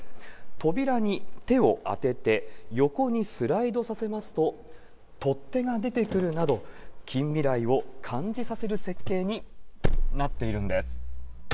扉に手を当てて、横にスライドさせますと、取っ手が出てくるなど、近未来を感じさせる設計になっているんです。